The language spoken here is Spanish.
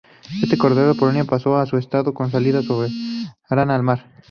Con este corredor Polonia pasó a ser un estado con salida soberana al mar.